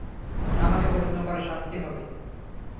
আমাকে প্রশ্ন করার শাস্তি হবে।